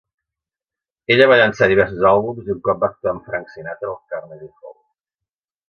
Ella va llançar diversos àlbums i un cop va actuar amb Frank Sinatra al Carnegie Hall.